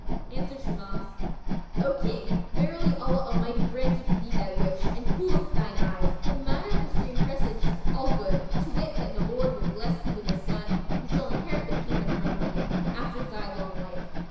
Answered Shimas, "O King, verily Allah Almighty granteth thee thy wish and cooleth thine eyes; for the matter of this dream presageth all good, to wit, that the Lord will bless thee with a son, who shall inherit the Kingdom from thee, after thy long life.